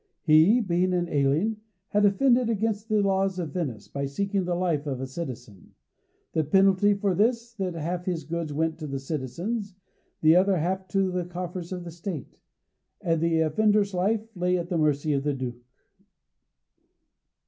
He, being an alien, had offended against the laws of Venice by seeking the life of a citizen. The penalty for this was that half his goods went to the citizen, the other half to the coffers of the State, and the offender's life lay at the mercy of the Duke.